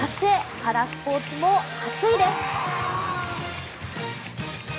パラスポーツも熱いです。